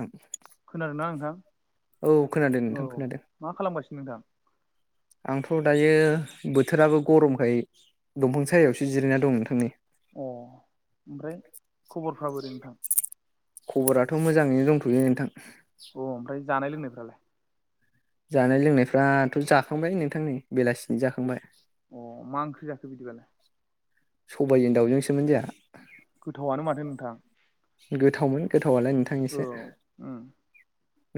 उम खोनादोंना नोंथां औ खोनादों औ नोंथां खोनादों मा खालामगासिनो नोंथां आंथ' दायो बोथोराबो गरमखाय दंफां सायायावसो जिरायना दं नोंथां नै अ ओमफ्राय खबरफ्रा बोरै नोंथां खबराथ' मोजाङैनो दंथ'यो नोंथां अ ओमफ्राय जानाय लोंनायफ्रालाय जानाय लोंनायफ्राथ' जाखांबायनो नोंथां नै बेलासिनि जाखांबाय अ मा ओंख्रि जाखो बिदिबालाय सबायजों दाउजोंसोमोन जोंहा गोथावआनो माथो नोंथां गोथावमोन गोथावआलाय नोंथां औ एसे उम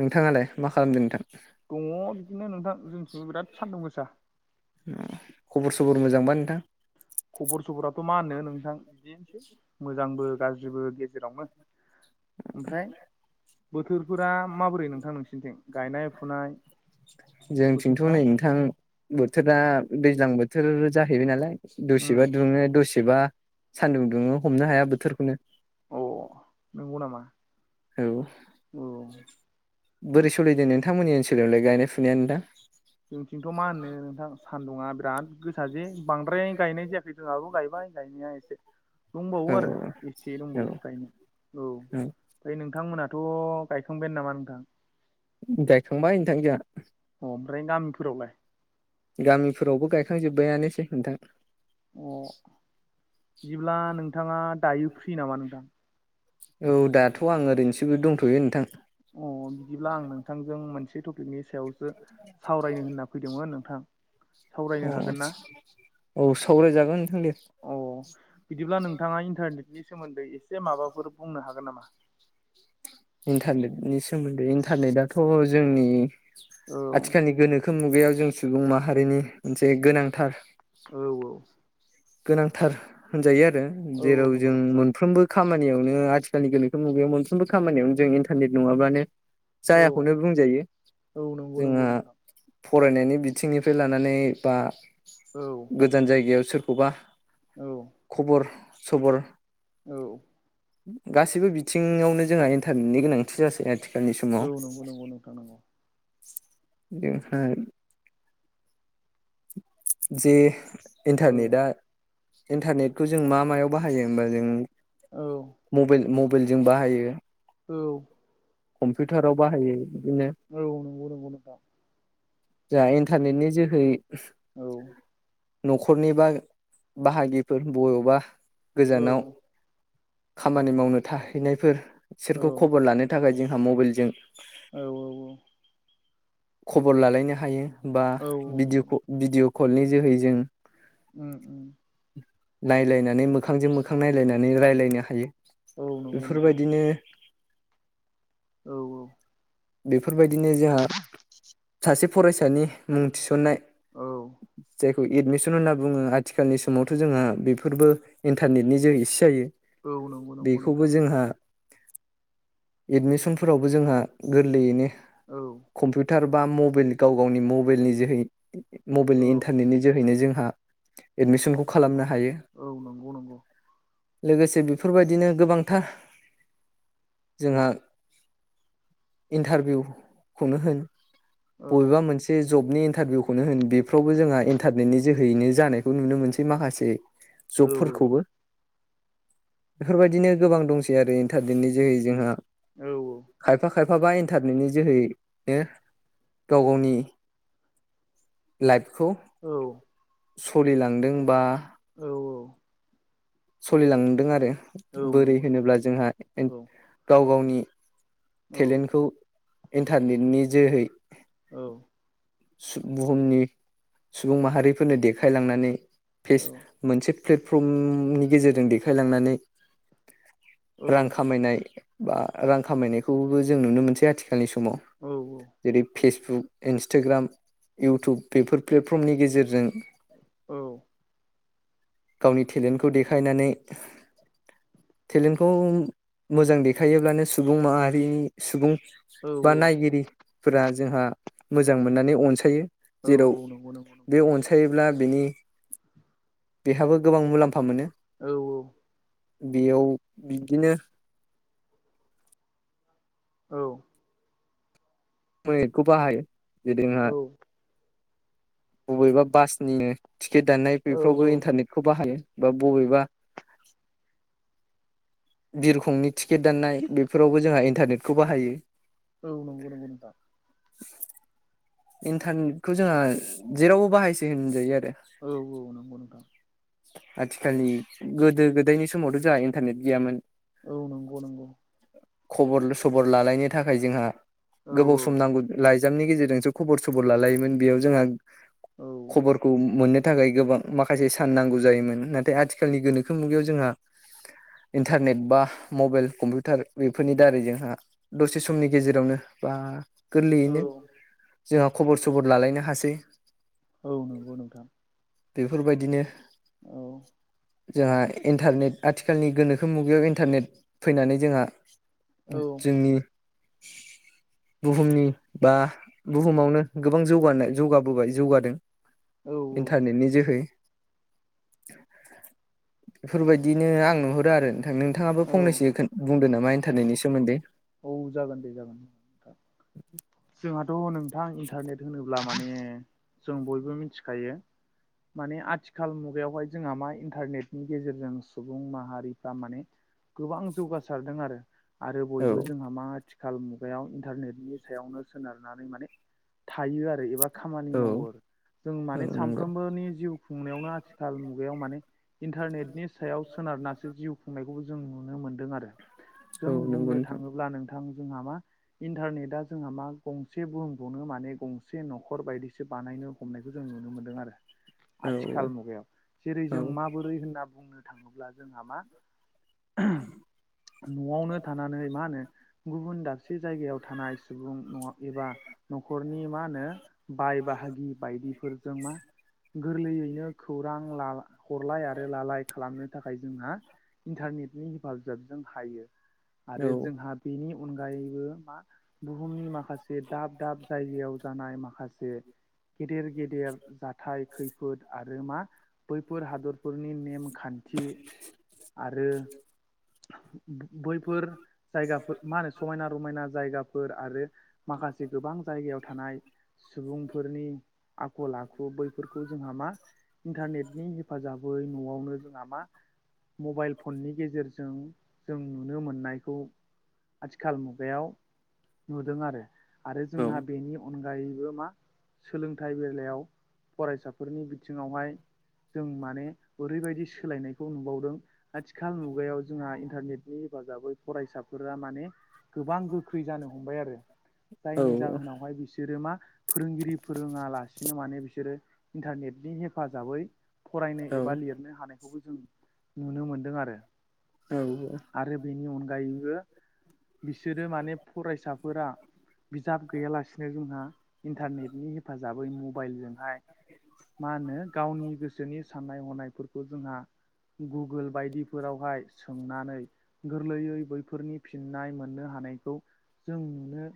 नोंथांआलाय मा खालामदों नोंथां दङो बिदिनो नोंथां जोंनिथिंबो बिराद सान्दुं गोसा उम खबर सबर मोजांबा नोंथां खबर सबराथ' मा होनो नोंथां बिदिनोसै मोजां आमफ्राय बोथोरफोरा माबोरै नोंथां नोंसिरनिथिं गायनाय फुनाय जोंथिंथ' बोथोरफ्रा नै नोंथां बोथोरा दैज्लां बोथोर जाहैबाय नालाय उम द'सेबा दुंओ दसे एबा सानदुं दुंओ हमनो हाया बोथोरखौनो औऔ नंगौ नामा औ औ बोरै सलिदों नोंथांमोननि ओनसोलावलाय गायनाय फुनायानो दा जोंथिंथ' मा होननो नोंथां सान्दुङा बिराद गोसा जे बांद्राय गायनाय जायाखै [unintelligible] गायबाय गायनाया एसे औ दंबावो आरो [unintelligible] औ दंबावो गायनो औ ओमफ्राय नोंथांमोनाथ' गायखांबायानो नामा नोंथां गायखांबाय नोंथां जोहा अ ओमफ्राय गामिफोरावलाय गामिफोरावबो गायखांजोब्बायानोसै नोंथां अ बिदिब्ला नोंथाङा दायो फ्रि नामा नोंथां औ दाथ' आं ओरैनोसोबो दंथ'यो नोंथां अ बिदिब्ला आं नोंथांजों मोनसे टपिकनि सायाव सावरायनो होनना फैदोंमोन नोंथां सावरायनो अ हागोन ना आतसा औ सावरायजागोन नोंथां दे अ बिदिब्ला नोंथाङा इन्टारनेटनि सोमोन्दै एसे माबाफोर बुंनो हागोन नामा इन्टारनेटनि सोमोन्दै इन्टारनेटआथ' जोंनि औ आथिखालनि गोनोखो खो मुगायाव जों सुबुं माहारिनि मोनसे गोनांथार औ औ गोनांथार होनजायो आरो औ नंगौ जेराव नंगौ जों नोंथां मोनफ्रोमबो खामानियावनो आथिखालनि गोनोखो मुगायाव मोनफ्रोमबो खामानियावनो जों इन्टारनेट नङाब्लानो औ जायाखौनो बुंजायो औ नंगौ नंगौ जोंहा नोंथां फरायनायनि बिथिंनिफ्राय लानानै बा औ गोजान जायगायाव सोरखौबा औ खबर सबर औ गासैबो बिथिङावनो जोंहा इन्टारनेटनि गोनांथि जासै आरोखि औ नंगौ नंगौ नोंथां नोंगौ बेनिफ्राय जे औ इन्टारनेटआ इन्टारनेटखौ जों मा मायाव बाहायो होमबा जों औ मबेल मबेलजों बाहायो औ कम्पिउटाराव बाहायो बिदिनो औ नंगौ नंगौ नोंथां जा इन्टारनेटनि जोहै औ न'खरनिबा बाहागिफोर बय'बा औ गोजानाव खामानि मावनो थाहैनायफोर औ बिसोरखौ खबर लानो थाखाय जोंहा मबाइलजों औ औ औ खबर लालायनो हायो बा औ नंगौ भिदिअ भिडिअ' कलनि जोहै जों उम उम नायलायनानै मोखांजों मोखां नायलायनानै रायज्लायनो हायो औ नंगौ नोंथां बेफोरबायदिनो औ औ बेफोरबायदिनो जोंहा सासे फरायसानि मुं थिसननाय औ जायखौ एडमिसन होनना बुङो आथिखालनि समावथ' जोंहा बेफोरबो इन्टारनेटनि जोहैसो जायो औ नंगौ नंगौ नोंथां बेखौबो जोंहा एडमिसनफोरावबो जोंहा गोरलैयैनो औ कम्पिउटार बा मबिल गाव गावनि मबिलनि जोहै औ मबाइलनि इन्टारनेटनि जोहैनो जोंहा एडमिसनखौ खालामनो हायो। औ नंगौ नंगौ लोगोसे बेफोरबायदिनो गोबांथार जोंहा इन्टारभिउ खौनो होन औ बबेबा मोनसे बे जबनि इन्टारभिउखौनो होन बेफ्रावबो जोंहा इन्टारनेटनि जोहैयैनो जानायखौ नुनो मोनसै माखासे [inaudible] जबफोरखौबो बेफोरबायदिनो गोबां दंसै आरो इन्टारनेटनि जोहै जोंहा औ औ। खायफा खायफाबा इन्टारनेटनि जोहैनो गाव गावनि लाइभखौ औ सलिलांदों बा औ। सलिलांदों आरो। औ बोरै नंगौ नंगौ होनोब्ला जोंहा औ औ गाव गावनि टेलेनखौ इन्टारनेटनि जोहै औ। सु बुहुमनि सुबुं माहारिफोरनो देखायलांनानै फेस औ औ मोनसे प्लेटफर्मनि गेजेरजों देखायलांनानै रां औ खामायनाय बा रां खामायनायखौबो जों नुनो मोनसै आथिखालनि समाव औ औ। जेरै फेसबुक इन्सटाग्राम इउटुब बेफोर प्लेटफर्मनि गेजेरजों औ। गावनि टेलेन्टखौ देखायनानै टेलेन्टखौ मोजां देखायोब्लानो सुबुं माहारि सुबुं औ बा औ नायगिरिफोरा जोंहा मोजां मोननानै अनसायो। औ जेराव औ नंगौ नंगौ नंगौ बे अनसायोब्ला बेनि बेहाबो गोबां मुलाम्फा मोनो। औ औ। बेयाव बिदिनो औ। [unintelligible] खौ बाहायो जेदेंहा औ बबेबा बासनिनो टिकेट दाननाय औ औ बेफ्रावबो इन्टारनेटखौ बाहायो बा बबेबा बिरखंनि टिकेट दाननाय बेफोरावबो जोंहा इन्टारनेटखौ बाहायो। औ नंगौ नंगौ नोंथां। इन्टारनेटखौ जोंहा जेरावबो बाहायसै होनजायो आरो। औ औ नंगौ नोंथां। आथिखालनि गोदो गोदायनि समावथ' जोंहा इन्टारनेट गैयामोन। औ नोंगौ नोंगौ। खबर सबर लालायनो थाखाय जोंहा औ गोबाव सम नांगौ। लाइजामनि गेजेरजोंसो खबर सबर लालायोमोन बेयाव जोंहा औ खबर खौ मोननो थाखाय गोबां माखासे सान नांगौ जायोमोन नाथाय आथिखालनि गोनोखो मुगायाव जोंहा इन्टारनेट बा मबाइल कम्पिउटार बेफोरनि दारै जोंहा दसे समनि गेजेरावनो बा औ गोरलैयैनो जोंहा खबर सबर लालायनो हासै। औ नंगौ नोंथां। बेफोरबायदिनो औ। जोंहा इन्टारनेट आथिखालनि गोनोखो मुगायाव इन्टारनेट फैनानै जोंहा औ जोंनि [inaudible] बुहुमनि बा बुहुमावनो गोबां जौगानाय जौगाबोबाय जौगादों। औ ओ टारनेटनि जोहै। बेफोरबायदिनो आं नुहरो आरो नोंथां नोंथाङाबो औ फंनैसो खोन बुंदो नोमा इन्टारनेटनि सोमोन्दै। औ जागोन दे जागोन जागोन नोंथां। जोंहाथ' नोंथां इन्टारनेट होनोब्ला माने जों बयबो मिनथिखायो। माने आथिखाल मुगायावहाय जोंहा मा इन्टारनेटनि गेजेरजों सुबुं माहारिफ्रा माने गोबां जौगासारदों आरो आरो औ बयबो मा मा आथिखाल मुगायाव इन्टारनेटनि सायावनो सोनारनानै माने थायो आरो एबा खामानि औ मावो आरो जों औ माने नंगौ सानफ्रोमबोनि जिउ खुंनायावनो आथिखाल मुगायाव माने इन्टारनेटनि सायाव सोनारनासो जिउ खुंनायखौबो जों नुनो मोनदों आरो। औ जों नंगौ बुंनो नोंथां अब्ला नोंथां जोंहा मा इन्टारनेटा जोंहा मा गंसे बुहुमखौनो माने गंसे न'खर बायदिसो बानायनो हमनायखौ जों नुनो मोन्दों आरो। औ आथिखाल मुगायाव जेरै औ जों माबोरै होनना बुंनो थाङोब्ला जोंहा मा [unintelligible] न'आवनो थानानै मा होनो गुबुन दाबसे जायगायाव थानाय सुबुं नङा एबा न'खरनि मा होनो बाय बाहागि बायदिफोरजों मा गोरलैयैनो खौरां ला हरलाय आरो लालाय खालामनो थाखाय जोंहा इन्टारनेटनि हेफाजाबजों हायो औ आरो जोंहा बेनि अनगायैबो मा बुहुमनि माखासे दाब दाब जायगायाव जानाय माखासे गेदेर गेदेर जाथाय खैफोद आरो मा बैफोर हादरफोरनि नेमखान्थि आरो बैफोर जायगाफो मा होनो समायना रमायना जायगाफोर आरो माखासे गोबां जायगायाव थानाय सुबुंफोरनि आखल आखु बै फोरखौ जोंहा मा इन्टारनेटनि हेफाजाबै न'आवनो जोंहा मा मबाइल फननि गेजेरजों जों नु नुनो मोननायखौ आथिखाल मुगायाव नुदों आरो। आरो जोंहा बेनि अनगायैबो मा सोलोंथाइ बेलायाव फरायसाफोरनि बिथिङावहाय जों माने ओरैबायदि सोलायनायखौ नुबावदों आथिखाल मुगायाव जोंहा इन्टारनेट हेफाजाबै फरायसाफोरा माने गोबां जु ख्रि जानो हमबाय आरो औ जायनि जाहोनावहाय बिसोरो मा फोरोंगिरि फोरोङालासिनो माने बिसोरो इन्टारनेटनि हेफाजाबै फरायनो एबा लिरनो हानायखौबो जों नुनो मोनदों आरो औ औ आरो बेनि अनगायैबो बिसोरो माने फरायसा फोरा बिजाब गैयालासिनो जोंहा इन्टारनेटनि हेफाजाबै मबाइलजों फाय मा होनो गावनि गोसोनि साननाय हनायफोरखौ जोंहा गुगोल बायदि‌फोरावहाय सों नानै गोरलैयै बैफोरनि फिननाय मोननो हानायखौ जों नुनो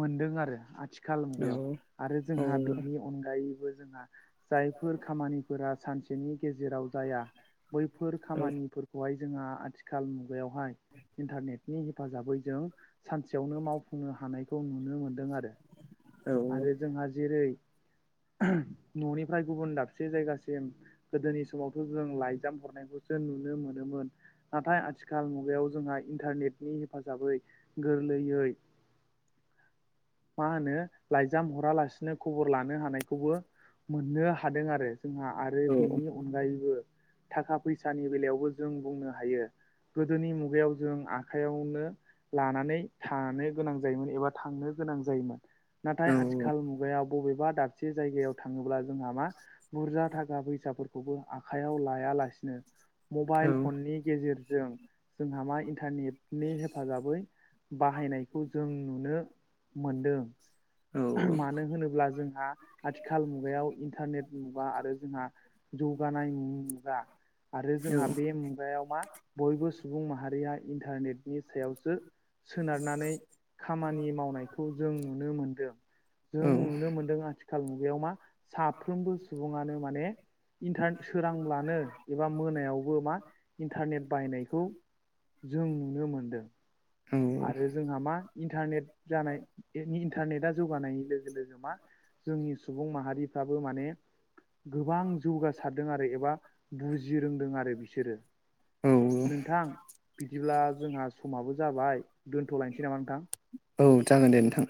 मोनदों आरो आथिखाल मुगायाव आरो जोंहा बेनि अनगायैबो जोंहा जायफोर खामानिफोरा सानसेनि गेजेराव जाया बैफोर खामानिफोरखौहाय जोंहा आथिखाल मुगायावहाय इन्टारनेटनि हेफाजाबै जों सानसेयावनो मावफुंनो हानायखौ नुनो मोनदों आरो। आरो जोंहा जेरै न'निफ्राय गुबुन दाबसे जायगासिम गोदोनि समावथ' जों लाइजाम हरनायखौसो नुनो मोनोमोन। नाथाय आथिखाल मुगायाव जोंहा इन्टारनेटनि हेफाजाबै गोरलैयै [inaudible] मा होनो लाइजाम हरालासिनो खबर लानो हानायखौबो मोननो हादों आरो जोंहा आरो बिनि अनगायैबो थाखा फैसानि बेलायावबो जों बुंनो हायो गोदोनि मुगायाव जों आखाइयावनो लानानै थानो गोनां जायोमोन एबा थांनो गोनां जायोमोन नाथाय आथिखाल औ मुगायाव बबेबा दाबसे जायगायाव थाङोब्ला जोंहा मा बुरजा थाखा फैसाफोरखौबो आखाइयाव लायालासिनो मबाइल फननि गेजेर जों जोंहा मा इन्टारनिट नि हेफाजाबै बाहायनायखौ जों नुनो मोनदों [unintelligible] मानो होनोब्ला जोंहा आथिखाल मुगायाव इन्टारनेट मुगा आरो जोंहा जौगानाय मुगा आरो जोंहा बे मुगायाव मा बयबो सुबुं माहारिया इन्टारनेटनि सायाव सो सोनारनानै खामानि मावनायखौ जों नुनो मोनदों जों नुनो मोन्दों आथिखाल मुगायाव मा साफ्रोमबो सुबुङानो माने इन्टार सोरांब्लानो एबा मोनायावबो मा इन्टारनेट बाहायनायखौ जों नुनो मोनदों औ आरो जोंहा मा इन्टारनेट जानाय नि इन्टारनेटआ जौगानायनि लोगो लोगो मा जोंनि सुबुं माहारिफ्राबो माने गोबां जौगासारदों आरो एबा बुजि रोंदों आरो बिसोरो औ औ नोंथां बिदिब्ला जोंहा समाबो जाबाय दोनथलायसै नामा नोंथां औ जागोन दे नोंथां